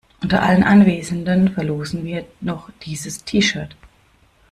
Unter allen Anwesenden verlosen wir noch dieses T-Shirt.